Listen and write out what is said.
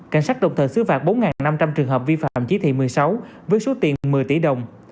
cảnh sát độc thờ xứ phạt năm lực phương tiện và một năm trăm linh trường hợp vi phạm chí thị một mươi sáu với số tiền một mươi tỷ đồng